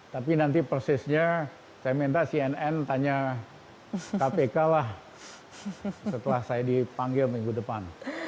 tapi nanti persisnya saya minta cnn tanya kpk lah setelah saya dipanggil minggu depan